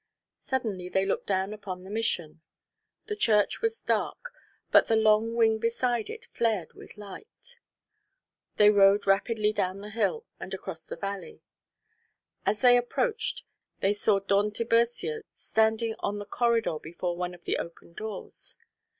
Suddenly they looked down upon the Mission. The church was dark, but the long wing beside it flared with light. They rode rapidly down the hill and across the valley. As they approached, they saw Don Tiburcio standing on the corridor before one of the open doors.